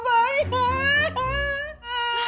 nyarin dulu abang